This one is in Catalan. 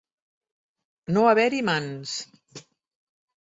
No haver-hi mans.